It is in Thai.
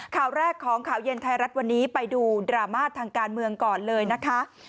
ข่าวแรกของข่าวเย็นไทยรัฐวันนี้ไปดูดราม่าทางการเมืองก่อนเลยนะคะ